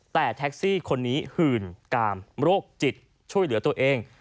แต่แท็กซี่คนนี้หื่นกามโรคจิตช่วยเหลือตัวเอง